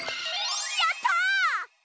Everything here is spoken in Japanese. やった！